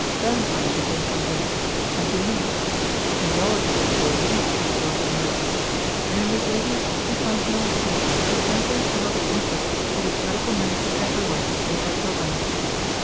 Bernheim became convinced and Dumont, the physiologist Beaunis joined the movement, and in the eighties we find Nancy the center of hypnotic interest to which medical men from everywhere made their pilgrimage.